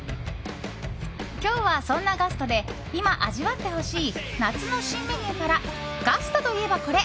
今日は、そんなガストで今味わってほしい夏の新メニューからガストといえば、これ！